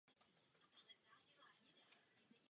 Vyskytují se i ve východní Číně.